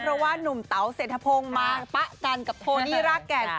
เพราะว่านุ่มเต๋าเศรษฐพงศ์มาปะกันกับโทนี่รากแก่น